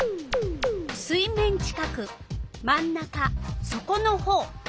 水面近く真ん中そこのほう。